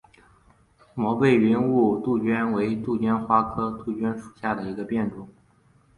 毛背云雾杜鹃为杜鹃花科杜鹃属下的一个变种。